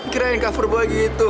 kira yang coverboy gitu